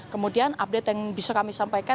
kemudian update yang bisa kami sampaikan